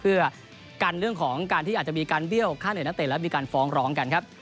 เรื่องของการที่อาจจะมีการเบี้ยวค่าเหนือนักเตรียมและมีการฟ้องร้องกันครับ